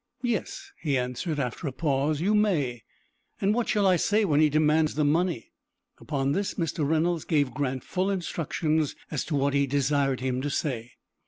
"Yes," he answered, after a pause. "You may." "And what shall I say when he demands the money?" Upon this Mr. Reynolds gave Grant full instructions as to what he desired him to say.